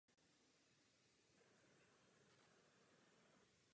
Pomocí nich chce získat zlato jejich manželů.